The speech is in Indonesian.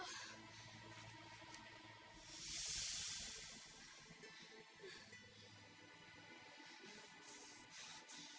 mau jadi kayak gini sih salah buat apa